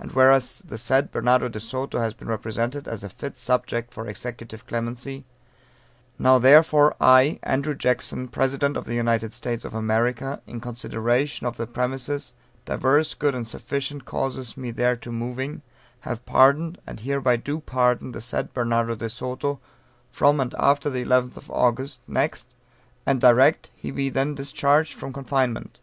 And whereas the said Bernardo de Soto has been represented as a fit subject for executive clemency Now therefore, I, Andrew Jackson, President of the United States of America, in consideration of the premises, divers good and sufficient causes me thereto moving, have pardoned, and hereby do pardon the said Bernardo de Soto, from and after the 11th August next, and direct that he be then discharged from confinement.